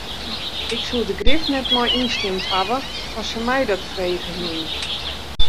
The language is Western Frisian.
Ik soe der grif net mei ynstimd hawwe as se my dat frege hiene.